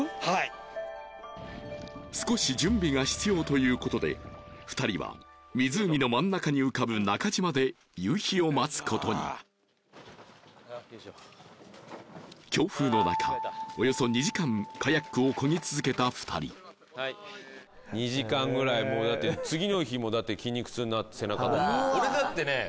少し準備が必要ということで２人は湖の真ん中に浮かぶ中島で夕日を待つことに強風の中およそ２時間カヤックを漕ぎ続けた２人２時間ぐらいもうだって次の日もうだって筋肉痛になって背中とか俺だってねえ